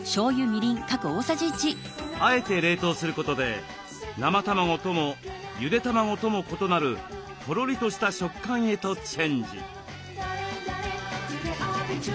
あえて冷凍することで生卵ともゆで卵とも異なるとろりとした食感へとチェンジ。